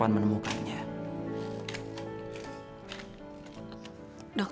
saya ingin mencintai wanita yang lebih baik